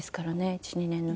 １２年の時。